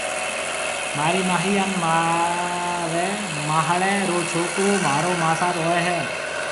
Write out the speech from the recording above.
مهارِي ماهِي هانَ مهاريَ ماهڙيَ رو ڇوڪرو مهارو ماسات هوئيَ هيَ